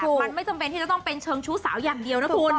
มันไม่จำเป็นที่จะต้องเป็นเชิงชู้สาวอย่างเดียวนะคุณ